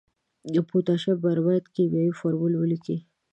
د پوتاشیم برماید کیمیاوي فورمول ولیکئ.